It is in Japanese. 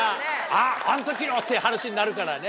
あっあの時の！って話になるからね。